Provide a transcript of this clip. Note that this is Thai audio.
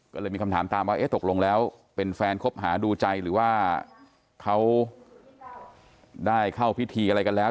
ก็เลยมีคำถามตามว่าเอ๊ะตกลงแล้วเป็นแฟนคบหาดูใจหรือว่าเขาได้เข้าพิธีอะไรกันแล้ว